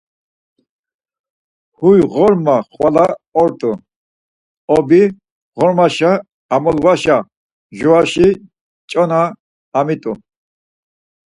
Huy ğorma xvala ort̆u Obi; ğormaşi amolvaşa mjoraşi çona amit̆u.